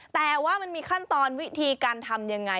แต่ว่ามันมีขั้นตอนวิธีการทำยังไง